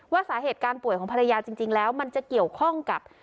สาเหตุการป่วยของภรรยาจริงแล้วมันจะเกี่ยวข้องกับ